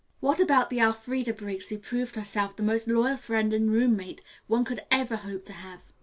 "What about the Elfreda Briggs who proved herself the most loyal friend and roommate one could ever hope to have?"